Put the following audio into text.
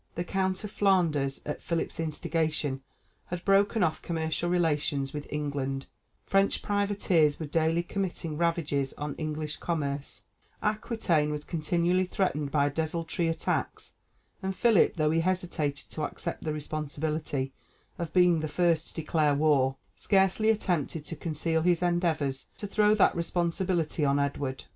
The Count of Flanders, at Philip's instigation, had broken off commercial relations with England; French privateers were daily committing ravages on English commerce; Aquitaine was continually threatened by desultory attacks; and Philip, though he hesitated to accept the responsibility of being the first to declare war, scarcely attempted to conceal his endeavors to throw that responsibility on Edward.